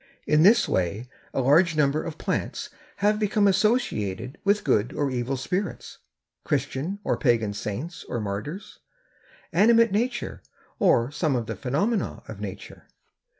In this way a large number of plants have become associated with good or evil spirits, Christian or pagan saints or martyrs, animate nature or some of the phenomena of nature.